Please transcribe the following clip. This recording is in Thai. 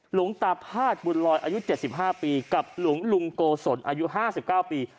หลวงตาพาดบุญลอยอายุ๗๕ปีกับหลวงลุงโกศลอายุ๕๙ปี